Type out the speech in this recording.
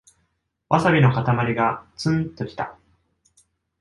ワサビのかたまりがツンときた